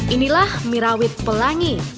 inilah mirawit pelangi